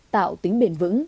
tạo tính bền vững